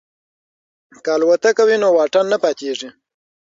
که الوتکه وي نو واټن نه پاتیږي.